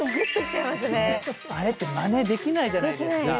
あれってまねできないじゃないですか。